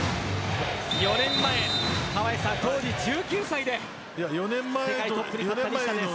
４年前、当時１９歳で世界トップに立った西田です。